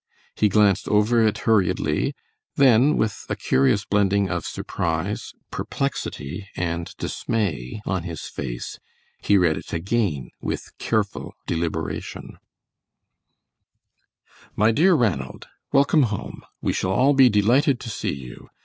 He glanced over it hurriedly, then with a curious blending of surprise, perplexity, and dismay on his face, he read it again with careful deliberation: MY DEAR RANALD: Welcome home! We shall all be delighted to see you.